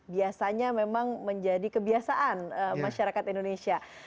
biasanya memang menjadi kebiasaan masyarakat indonesia